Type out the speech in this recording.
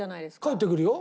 帰ってくるよ。